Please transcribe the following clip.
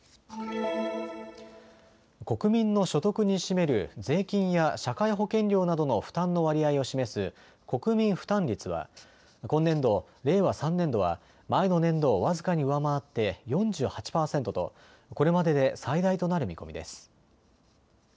国民の所得に占める税金や社会保険料などの負担の割合を示す国民負担率は今年度・令和３年度は前の年度を僅かに上回って４８％とこれまでで最大となる見込みです。